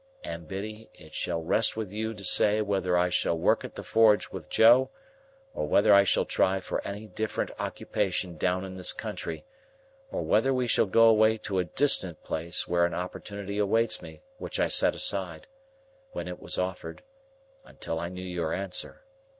And, Biddy, it shall rest with you to say whether I shall work at the forge with Joe, or whether I shall try for any different occupation down in this country, or whether we shall go away to a distant place where an opportunity awaits me which I set aside, when it was offered, until I knew your answer.